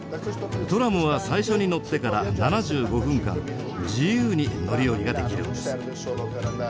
トラムは最初に乗ってから７５分間自由に乗り降りができるんです。